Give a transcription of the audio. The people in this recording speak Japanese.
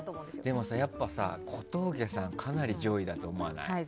でもやっぱさ、小峠さんかなり上位だと思わない？